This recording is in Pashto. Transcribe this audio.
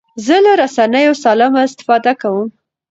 زه له رسنیو سالمه استفاده کوم.